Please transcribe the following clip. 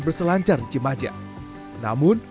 berselancar di cimaja namun